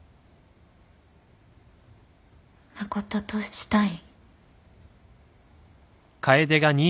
誠としたい。